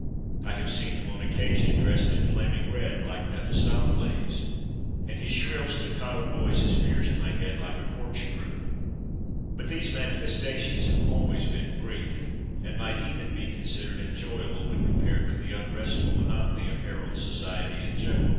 I have seen him on occasion dressed in flaming red, like Mephistopheles, and his shrill staccato voice has pierced my head like a corkscrew. But these manifestations have always been brief, and might even be considered enjoyable when compared with the unrestful monotony of Harold's society in general.